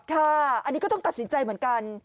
ค่ะอันนี้ก็ต้องตัดสินใจเหมือนกัน